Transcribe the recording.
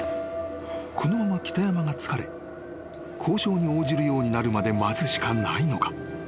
［このまま北山が疲れ交渉に応じるようになるまで待つしかないのか？］